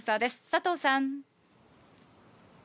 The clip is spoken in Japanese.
佐藤さん。